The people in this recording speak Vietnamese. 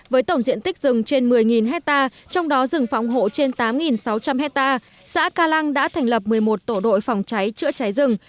với tổng diện tích rừng trên một mươi hectare trong đó rừng phòng hộ trên tám sáu trăm linh hectare xã ca lăng đã thành lập một mươi một tổ đội phòng cháy chữa cháy rừng